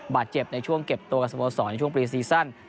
บาดเจ็บในช่วงเก็บตัวกับสโมสรในช่วงปรีซีซั่น